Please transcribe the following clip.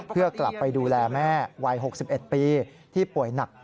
เพื่อกลับไปดูแลแม่วัย๖๑ปีที่ป่วยหนัก